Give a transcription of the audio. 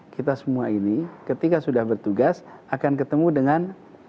kita semua ini ketika sudah bertugas akan ketemu dengan